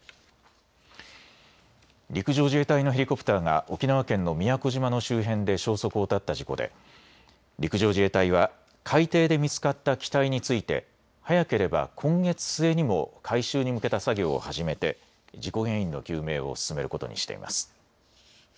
陸上自衛隊のヘリコプターが沖縄県の宮古島の周辺で消息を絶った事故で陸上自衛隊は海底で見つかった機体について早ければ今月末にも回収に向けた作業を始めて事故原因の究明を進めることにしています。